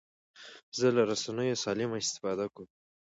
زه له رسنیو سالمه استفاده کوم.